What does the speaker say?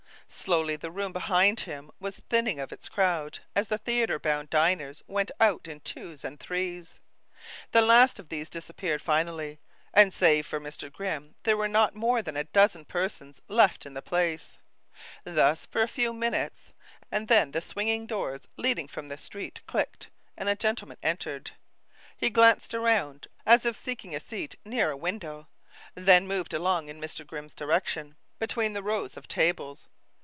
Slowly the room behind him was thinning of its crowd as the theater bound diners went out in twos and threes. The last of these disappeared finally, and save for Mr. Grimm there were not more than a dozen persons left in the place. Thus for a few minutes, and then the swinging doors leading from the street clicked, and a gentleman entered. He glanced around, as if seeking a seat near a window, then moved along in Mr. Grimm's direction, between the rows of tables.